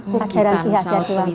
yang membuat begitu